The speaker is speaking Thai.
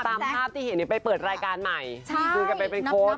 ตามภาพที่เห็นไปเปิดรายการใหม่คุยกันไปเป็นโค้ด